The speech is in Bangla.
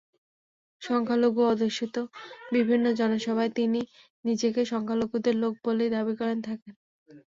সংখ্যালঘু-অধ্যুষিত বিভিন্ন জনসভায় তিনি নিজেকে সংখ্যালঘুদের লোক বলেই দাবি করে থাকেন।